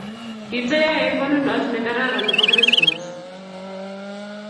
Kitayae konunot ne kararan nepo Krismas